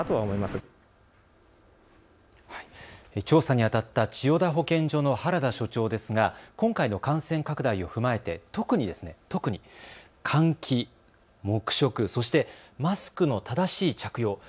調査にあたった千代田保健所の原田所長ですが今回の感染拡大を踏まえて特に換気、黙食そしてマスクの正しい着用